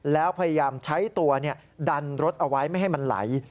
แล้วพยายามใช้ตัวดันรถเอาไว้ไม่ให้มันไหล